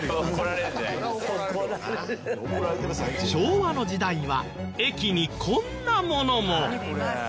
昭和の時代は駅にこんなものも。